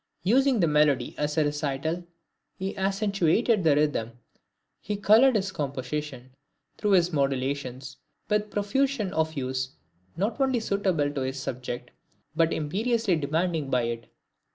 Using the melody as a recital, he accentuated the rhythm, he colored his composition, through his modulations, with a profusion of hues not only suitable to his subject, but imperiously demanded by it.